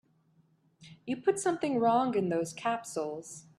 You put something wrong in those capsules.